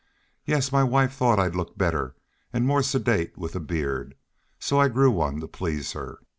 "Yes, my wife thought I'd look better, and more sedate, with a beard, so I grew one to please her.